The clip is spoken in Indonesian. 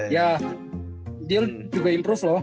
ya dia juga improve loh